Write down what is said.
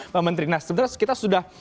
pak menteri nah sebenarnya kita sudah